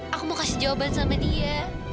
aku mau kasih jawaban sama dia